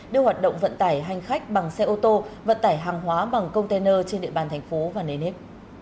đưa hoạt động vận tải hành khách bằng xe ô tô vận tải hàng hóa bằng container trên địa bàn thành phố vào nề nếp